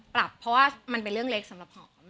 ปรับมันเป็นเรื่องเล็กสำหรับผม